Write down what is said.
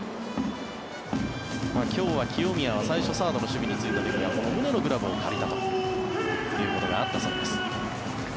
今日は清宮は最初サードの守備に就いていた時は宗のグラブを借りたということがあったそうです。